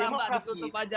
oke lupa ditutup saja